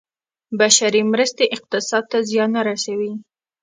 بشري مرستې اقتصاد ته زیان نه رسوي.